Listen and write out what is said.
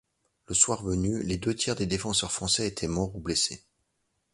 Le soir venu, les deux tiers des défenseurs français étaient morts ou blessés.